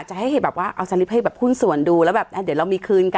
จะให้แบบว่าเอาสลิปให้แบบหุ้นส่วนดูแล้วแบบเดี๋ยวเรามีคืนกัน